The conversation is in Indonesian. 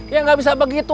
ya tidak bisa begitu